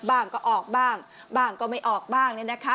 บ้างก็ออกบ้างบ้างบ้างก็ไม่ออกบ้างเนี่ยนะคะ